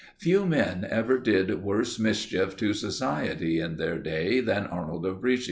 Few men ever did worse mischief to society in their day, than Arnold of Brescia.